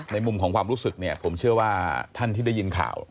มุมของความรู้สึกเนี่ยผมเชื่อว่าท่านที่ได้ยินข่าว